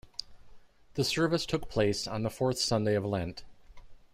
The service took place on the fourth Sunday of Lent.